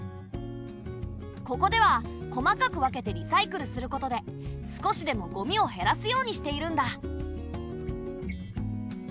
ここでは細かく分けてリサイクルすることで少しでもゴミを減らすようにしているんだ。